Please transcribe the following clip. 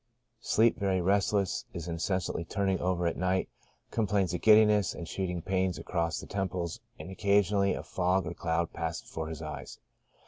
Sleep very restless ; is incessantly turning over at night ; complains of giddiness and shooting pains across the temples, and occa sionally a fog or cloud passes before his eyes.